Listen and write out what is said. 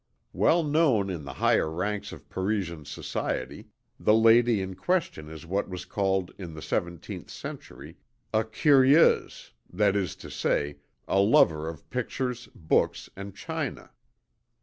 Well known in the higher ranks of Parisian society, the lady in question is what was called in the seventeenth century a "curieuse," that is to say, a lover of pictures, books, and china.